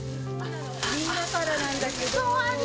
みんなからなんだけど。